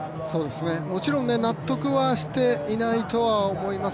もちろん納得はしていないとは思います。